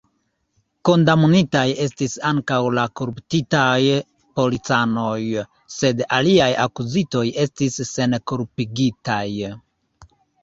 Kondamnitaj estis ankaŭ la koruptitaj policanoj, sed aliaj akuzitoj estis senkulpigitaj.